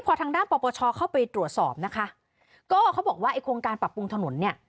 พอทางด้านปปชเข้าไปตรวจสอบนะคะก็เขาบอกว่าไอ้โครงการปรับปรุงถนนเนี่ย